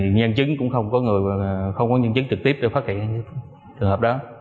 nhân chứng cũng không có nhân chứng trực tiếp để phát hiện trường hợp đó